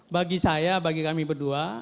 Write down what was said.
bagi saya bagi kami berdua